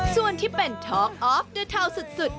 ส่วนที่เป็นท้องออฟเดอร์เทาสุด